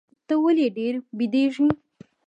ته ولي ډېر بیدېږې؟